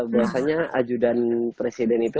bahwasanya ajudan presiden itu